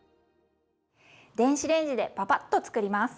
電子レンジでパパッと作ります。